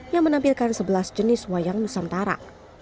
yang menampilkan sebelas jenis wayang nusantara